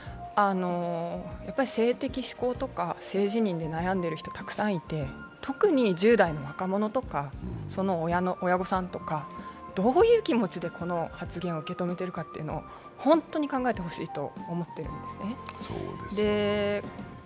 性的指向とか性自認で悩んでいる人、たくさんいて特に１０代の若者とか、その親御さんとか、どういう気持ちでこの発言を受け止めているか、本当に考えてほしいと思っています。